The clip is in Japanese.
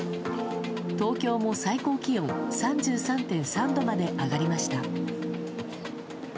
東京も最高気温３３．３度まで上がりました。